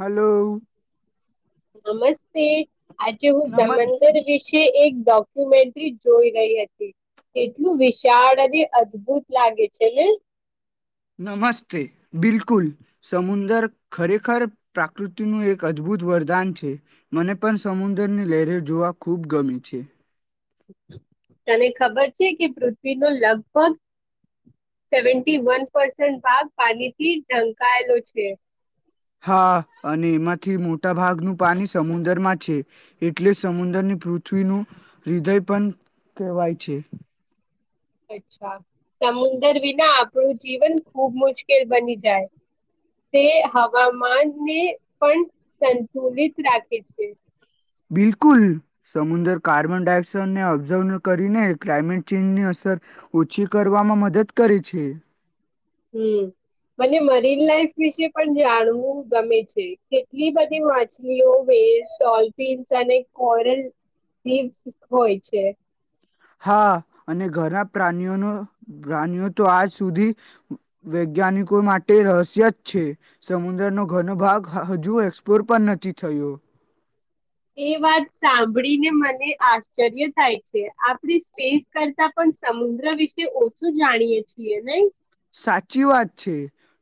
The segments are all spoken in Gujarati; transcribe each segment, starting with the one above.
હલો હલો નમસ્તે આજે હું નમસ સમંદર વિશે એક ડોક કયુમેન્ટ્રી જોઈ રહી હતી. કેટલું વિશાળ અને અદભુત લાગે છે ને? નમસ્તે. બિલકુલ સમુંદર ખરેખર પ્રાકૃતિનું એક અદભુત વરદાન છે. મને પણ સમુંદરની લહેરે જોવા ખૂબ ગમે છે. તને ખબર છે કે પૃથ્વીનો લગભગ સેવન્ટી વન પર્સેન્ટ ભાગ પાનીથી ઢંકાયેલો છે. હા અને એમાંથી મોટા ભાગનું પાણી સમુંદરમા છે. એટલે જ સમુંદરની પૃથ્વીનું હૃદય પણ કહેવાય છે. અચ્છા સમુંદર વિના આપણું જીવન ખુબ મુશ્કેલ બની જાય. તે હવામાનને પણ સંતુલિત રાખે છે. બિલકુલ સમુંદર કાર્બન ડાયોક્સાાઈડને ઓબ્ઝર્વ કરીને ક્લાઇમેટ ચેન્જની અસર ઓછી કરવામાં મદદ કરે છે. હમ મને મરીન લાઈફ વિશે પણ જાણવું ગમે છે. કેટલી બધી માછલીઓ વે ડોલ્ફિન્સ અને કોરલ વિડસ હોય છે. હા અને ઘણા પ્રાનીઓનો પ્રાનીઓ તો આજ સુધી વૈજ્ઞાનિકો માટે રહસ્ય જ છે. સમુંદર નો ઘનો ભાગ હજુ એક્સપ્લોર પણ નથી થયો. એ વાત સાંભળીને મને આશ્ચર્ય થાય છે. આપણી સ્પેસ કરતા પણ સમુદ્ર વિશે ઓછું જાણીએ છીએ નહીં. સાચી વાત છે.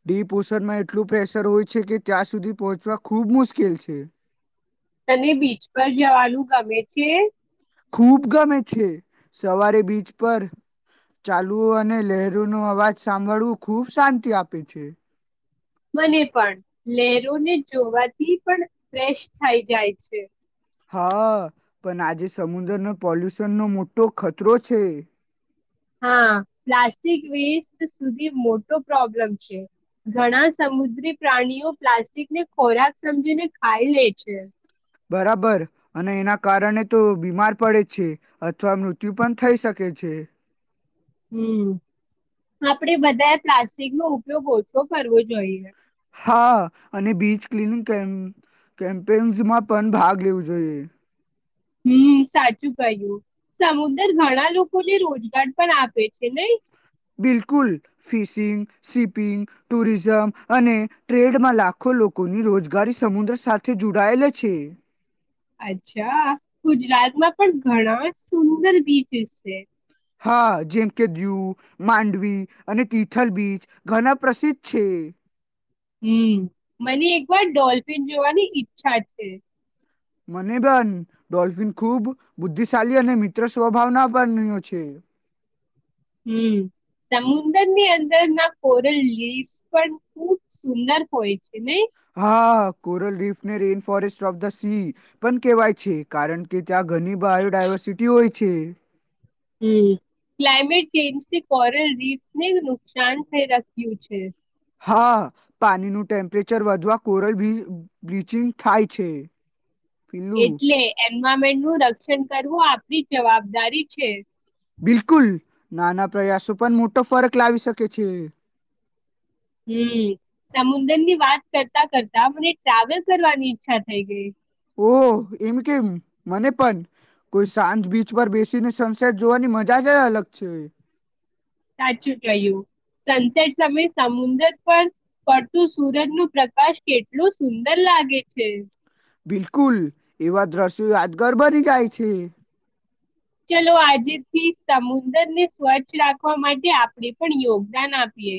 ડી પોષણમાં એટલું પ્રેશર હોય છે કે ત્યાં સુધી પહોંચવા ખૂબ મુશ્કેલ છે. તને બીચ પર જવાનું ગમે છે? ખૂબ ગમે છે. સવારે બીચ પર ચાલવું અને લહેરો નો અવાજ સાંભળવું ખૂબ શાંતિ આપે છે. મને પણ લહેરોને જોવાથી પણ ફ્રેશ થઈ જાય છે. હા પન આજે સમુંદરનો પોલ્યુશનનો મોટો ખતરો છે. હા પ્લાસ્ટિક વેસ્ટ સુધી મોટો પ્રોબ્લમ છે. ઘણા સમુદ્રી પ્રાણીઓ પ્લાસ્ટિકને ખોરાક સમજીને ખાઈ લે છે. બરાબર અને એના કારણે તો બીમાર પડે છે. અથવા મૃત્યુ પણ થઈ શકે છે. હમ આપડે બધાએ પ્લાસ્ટિકનો ઉપયોગ ઓછો કરવો જોઈએ. હા અને બીચ ક્લીનિંગ કેમ કેમ્પેન્સમાં પન ભાગ લેવું જોઈએ. હમ સાચું કહ્યું. સમુંદર ઘણા લોકોને રોજગાર પણ આપે છે નઈ. બિલકુલ. ફિશિંગ, શિપિંગ, ટુરિઝમ અને ટ્રેડમાં લાખો લોકોની રોજગારી સમુંદર સાથે જુડાયેલ છે. અચ્છા ગુજરાતમાં પણ ઘણા સુંદર બીચીસ છે. હા જેમ કે દીવ, માંડવી અને તીથલ બીચ ઘના પ્રસિદ્ધ છે. હમ મને એકવાર ડોલ્ફિન જોવાની ઈચ્છા છે. મને પન ડોલ્ફિન ખુબ બુદ્ધિશાલી અને મિત્ર સ્વભાવના પન બન્યો છે. હમ સમુંદરની અંદરના કોરલ લીડ્સ પન ખુબ સુંદર હોય છે નહી. હા કોરલ રીફને rain forest of the sea પન કહેવાય છે. કારન કે ત્યાં ઘરની બાયોડાયવર્સિટી હોય છે. હમ ક્લાઇમેટ ચેન્જથી કોરલ રીફને નુકસાન થઈ રખ્યું છે. હા પાનીનું ટેમ્પરેચર વધવા કોરલ બી બ્લીચિંગ થાય છે. પેલું એટલે એ એન્વાયરમેન્ટનું રક્ષણ કરવું આપણી જવાબદારી છે. બિલકુલ નાના પ્રયાસો પન મોટો ફરક લાવી શકે છે. હમ સમુંદરની વાત કરતા કરતા મને ટ્રાવેલ કરવાની ઈચ્છા થઈ ગઈ. ઓ એમ કેમ મને પણ કોઈ શાંત બીજ પર બેસીને સનસેટ જોવાની મજા જ અલગ છે. સાચું કહ્યું સનસેટ સમય સમુદ્ર પર પડતું સુરજ ન પ્રકાશ કેટલું સુંદર લાગે છે. બિલકુલ એવા દ્રશ્યો યાદગાર બની જાય છે. ચલો આજેથી સમુદ્રને સ્વચ્છ રાખવા માટે આપણે પણ યોગદાન આપીએ.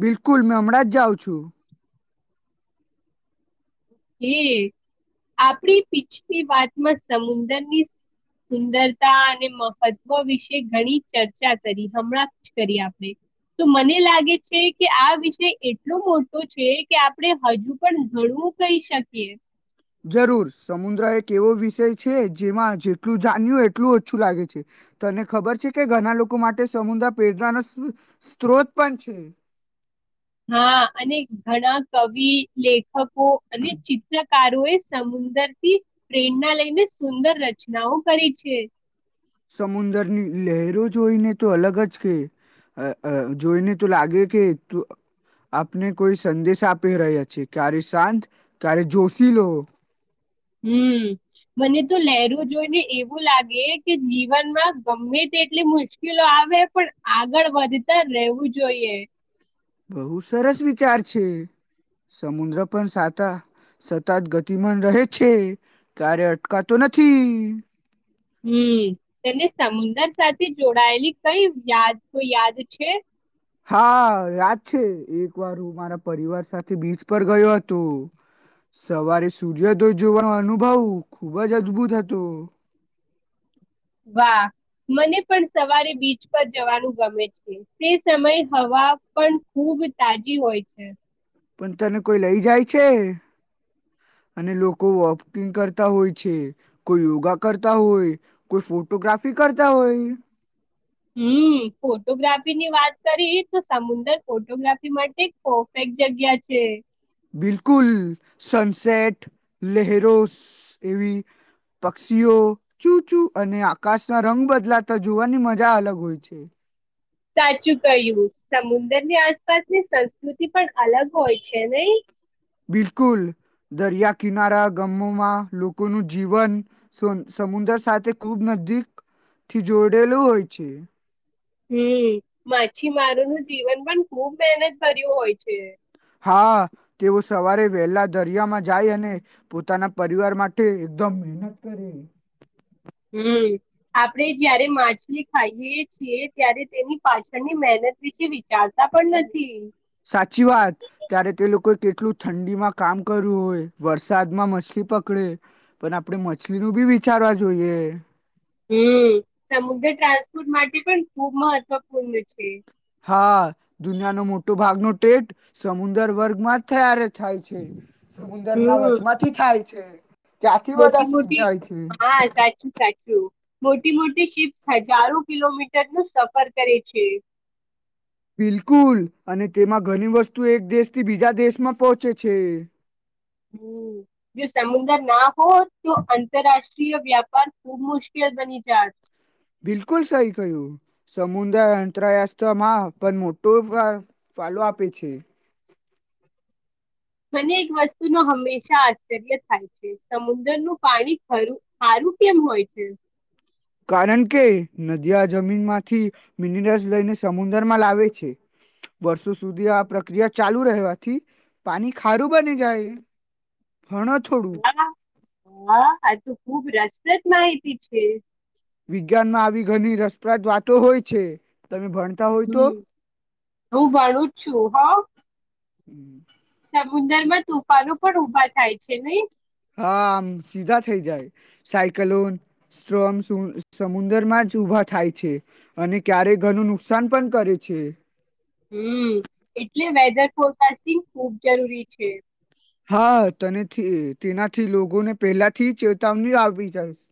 બિલકુલ મેં હમણાં જ જાઉં છું. હ આપણી પીછની વાતમાં સમુદરની સુંદરતા અને મહત્વ વિશે ઘણી ચર્ચા કરી હમણાં જ કરી આપણે તો મને લાગે છે કે આ વિષય એટલો મોટો છે કે આપણે હજુ પણ ઘણું કહી શકીએ. જરૂર સમુદ્ર એક એવો વિષય છે જેમાં જેટલું જાણ્યું એટલું ઓછું લાગે છે તને ખબર છે કે ઘણા લોકો માટે સમુદ્ર પેઢવાનો સ્ત્રોત પણ છે. હા અને ઘણા કવિ લેખકો અને ચિત્રકારો એ સમુંદરથી પ્રેરણા લઈને સુંદર રચનાઓ કરી છે. સમુદરની લહેરો જોઈને તો અલગ જ કે જોઈને તો લાગે કે આપને કોઈ સંદેશ આપી રહ્યા છે ક્યારે શાંત ક્યારે જોશી લો. હમ મને તો લહેરું જોઈને એવું લાગે કે જીવનમાં ગમે તેટલી મુશ્કેલો આવે પણ આગળ વધતા રહેવું જોઈએ. બહુ સરસ વિચાર છે સમુદ્ર પણ સાતા સતત ગતિમાન રહે છે ક્યારે અટકાતો નથી. હમ તેને સમુદ્ર સાથે જોડાયેલી કઈ યાદ તો યાદ છે. હા યાદ છે એક વાર હું મારા પરિવાર સાથે બીચ પર ગયો હતો સવારે સૂર્યોદય જોવાનો અનુભવ ખુબ જ અદભુત હતો. વાહ મને પણ સવારે બીચ પર જવાનું ગમે છે તે સમય હવા પણ ખૂબ તાજી હોય છે. પણ તને કોઈ લઈ જાય છે અને લોકો વોકિંગ કરતા હોય છે કોઈ યોગા કરતા હોય કોઈ ફોટોગ્રાફી કરતા હોય. હમ ફોટોગ્રાફીની વાત કરીએ તો સમુદર ફોટોગ્રાફી માટે પરફેક્ટ જગ્યા છે. બિલકુલ સનસેટ લહેરો એવી પક્ષીઓ ચૂ ચુ અને આકાશ ના રંગ બદલાતા જોવાની મજા અલગ હોય છે. સાચું કહ્યું સમુદરની આસપાસની સંસ્કૃતિ પણ અલગ હોય છે નહી. બિલકુલ દરિયા કિનારા ગમોમાં લોકોનું જીવન સમુદ્ર સાથે ખુબ નજીક થી જોડેલું હોય છે. હમ માછીમારુંનું જીવન પણ ખુબ મહેનત કરર્યું હોય છે. હા તેઓ સવારે વહેલા દરિયામાં જાય અને પોતાના પરિવાર માટે એકદમ મહેનત કરે. હમ્મ આપડે જયારે માછલી ખાઈએ છીએ ત્યારે તેની પાછળની મહેનત વિશે વિચારતા પણ નથી. સાચી વાત ત્યારે તે લોકોએ કેટલું ઠંડીમાં કામ કરું હોય વરસાદમાં મછલી પકડે પણ આપણે મછલીનું બી વિચારવા જોઈએ. હમ સમુદ્ર ટ્રાન્સપોર્ટ માટે પણ ખૂબ મહત્વપૂર્ણ છે. હા દુનિયાનો મોટો ભાગનો ટેટ સમુદર વર્ગમાં જ થય્યારે થાય છે. સમુંદર ના હમ વચમાંથી થાય. છે. ત્યાંથી બધા મોટી સીપ મોટી જાય છે હા સાચું સાચું. મોટી મોટી શિપ્સ હજારો કિલોમીટરનું સફર કરે છે. બિલકુલ અને તેમાં ઘણી વસ્તુ એક દેશથી બીજા દેશમાં પહોંચે છે. હમ જો સમુદ્ર ના હો તો આંતરરાષ્ટ્રીય વ્યાપાર ખુબ મુશ્કેલ બની જ. બિલકુલ સહી કહ્યું સમુદ્ર અંતરયાસ્ત્રમાં પણ મોટો ફળો આપે છે. મને એક વસ્તુ ન હંમેશા આશ્ચર્ય થાય છે સમુદ્રનું પાણી ખું ખારું કેમ હોય છે. કારણ કે નદીયા જમીન માંથી મિનરલ્સ લઈને સમુદરમાં લાવે છે વર્ષો સુધી આ પ્રક્રિયા ચાલુ રહેવાથી પાણી ખારું બની જાય. ભણો થોડુંક હા હા આતું. ખૂબ રસપ્રદ માહિતી છે. વિજ્ઞાન માં આવી ઘણી રસપ્રદ વાતો હોય છે. તમે ભણતા હોય તો હમ હું ભણું જ છું હ [inaudible] સમુદર માં તુફાનો પણ ઉભા થાય છે નહી. હા આમ સીધા થઈ જાય સાયક્લોન સ્ટ્રમ સમુદરમાં જ ઉઊભા થાય છે અને ક્યારેક ઘરનું નુકસાન પણ કરે છે. હમ એટલે વેધર ફોરકાસ્ટિંગ ખૂબ જરૂરી છે. હા તનેથી તેનાથી, લોકોને પહેલા થી ચેતાવણી આવી જાય છે.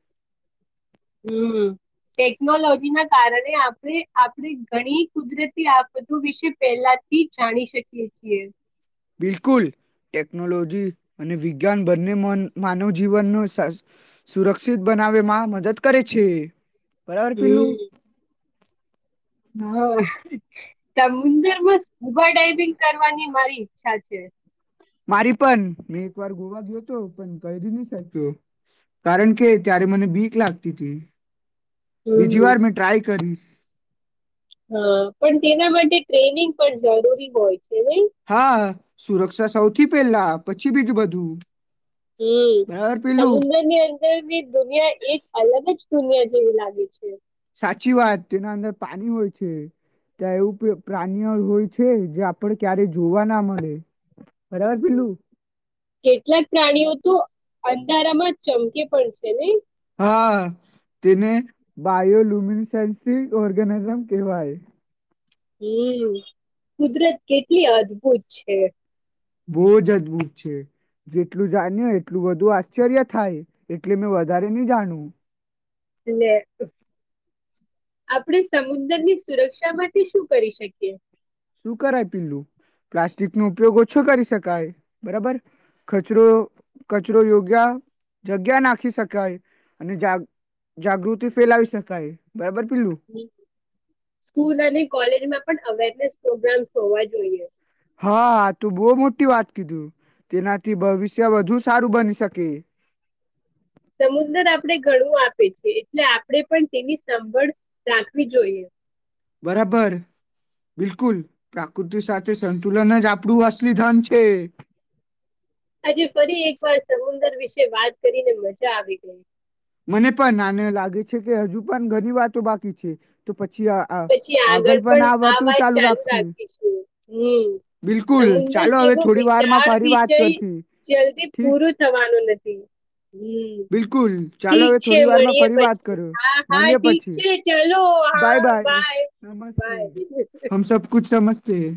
હમ ટેકનોલોજી ના કારણે આપણે, આપણે ઘણી કુદરતી આફતો વિશે પહેલાથી જાણી શકીએ છીએ. બિલકુલ ટેકનોલોજી અને વિજ્ઞાન બંને માનવ જીવનને સુરક્ષિત બનાવવામાં મદદ કરે છે. બરાબર પીલું? હમ હા, સમુંદર માં સ્કૂબા ડાઇવિંગ કરવાની મારી ઈચ્છા છે. મારી પણ મેં એક વાર ગોવા ગયો હતો. પણ કરી ન શક્યો કારણ કે, ત્યારે મને બીક લાગતી હતી. બીજી હમ વાર મેં ટ્રાય કરીશ. હા પણ, તેના માટે ટ્રેનિંગ પણ જરૂરી હોય છે. હા, સુરક્ષા સૌથી પેલા પછી બીજું બધું. હમ, બરાબર પેલું સમુદ્રની અંદર બી દુનિયા એક અલગ જ દુનિયા જેવી લાગે છે. સાચી વાત, તેના અંદર પાણી હોય છે. ત્યાં એવું પ્રાણીઓ હોય છે. જે આપડો ક્યારે જોવા ના મળે. બરાબર હમ. પેલું, કેટલાક પ્રાણીઓ તો અંધારામાં ચમકે પણ છે ને? હા, તેને બાયોલુમિનન્સ ઓર્ગેનીિઝમ કહેવાય. હમ, કુદરત કેટલી અદભુત છે. બહુ જ અદભૂત છે. જેટલું જાણ્યું એટલું બધું આશ્ચર્ય થાય, એટલે મેં વધારે નહી જાણું. એટલે [unintelligible] આપણે સમુદ્ર ની સુરક્ષા માટે શું કરી શકીએ? શું કરાય પીલું? પ્લાસ્ટિક નો ઉપયોગ ઓછું કરી શકાય, બરાબર કચરો કચરો યોગ્યા જગ્યા નાખી શકાય, અને જાગ જાગૃતિ ફેલાવી શકાય બરાબર? પેલું [unintelligible] સ્કૂલ અને કોલેજમાં પણ અવેર પ્રોગ્રામ્સ હોવા જોઈએ. હા, તું બહુ મોટી વાત કીધું. તેનાથી ભવિષ્ય વધુ સારું બની શકે. સમુદ્ર આપણે ઘણું આપે છે. એટલે આપણે પણ તેની સંભળ રાખવી જોઈએ. બરાબર, બિલકુલ પ્રાકૃતિ સાથે સંતુલન જ આપણું અસલી ધન છે. આજે ફરી એકવાર સમુદર વિશે વાત કરીને મજા આવી ગઈ. પણને લાગે છે કે હજુ, પણ ઘણી વાતો બાકી છે. પછી આ આ પછી આગળ પણ આ વાત ચાલુ રાખીશું, હમ બિલકુલ સમુદર ચાલો હવે જેવો થોડી વારમાં વિશાળ ફરી વાત વિષય કરશી જલ્દી ઠીક પૂરો થવાનો નથી. હમ બિલકુલ! ચાલો ઠીક હવે છે. થોડી વારમાં મળીએે ફરી વાત પછી, કરો હા હા મળીએ ઠીક પછી છે, ચલો હા બાય બાય. સમસ્તે